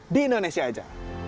di indonesia aja